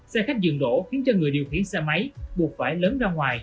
xe khách dường đổ khiến cho người điều khiển xe máy buộc phải lớn ra ngoài